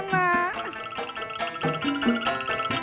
gak punya sim